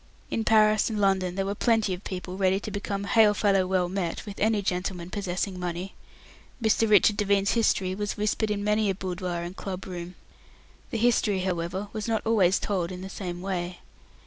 In Paris and London there were plenty of people ready to become hail fellow well met with any gentleman possessing money. Mr. Richard Devine's history was whispered in many a boudoir and club room. The history, however, was not always told in the same way.